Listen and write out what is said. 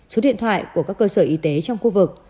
số điện thoại của các cơ sở y tế trong khu vực